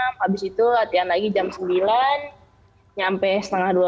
habis itu latihan lagi jam sembilan sampai setengah dua puluh